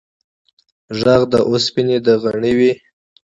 غږ د اوسپنې د غنړې و.